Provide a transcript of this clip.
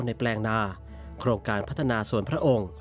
แปลงนาโครงการพัฒนาส่วนพระองค์